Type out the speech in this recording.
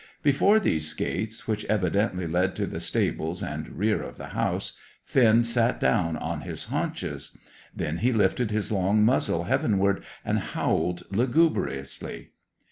Before these gates, which evidently led to the stables and rear of the house, Finn sat down on his haunches. Then he lifted his long muzzle heavenward and howled lugubriously.